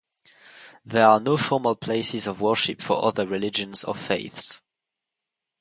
There are no formal places of worship for other religions or faiths.